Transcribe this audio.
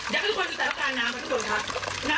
อยากให้ทุกคนดูสถานการณ์น้ำค่ะทุกคนค่ะ